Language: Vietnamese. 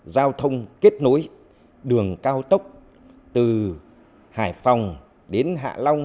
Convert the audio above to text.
giao thông kết nối đường cao tốc từ hải phòng đến hạ long